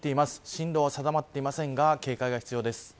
進路は定まっていませんが警戒が必要です。